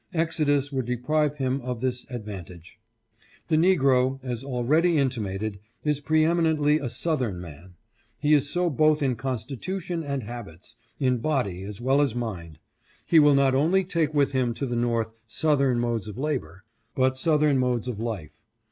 Exodus would deprive him of this advantage. ......" The Negro, as already intimated, is preeminently a Southern man. He is so both in constitution and habits, in body as well as mind. He will not only take with him to the North southern modes of labor, but southern modes of life.